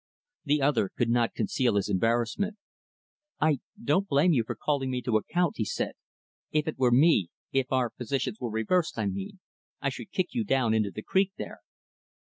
The other could not conceal his embarrassment. "I don't blame you for calling me to account," he said. "If it were me if our positions were reversed I mean I should kick you down into the creek there."